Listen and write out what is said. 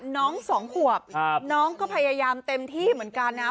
สองขวบน้องก็พยายามเต็มที่เหมือนกันนะ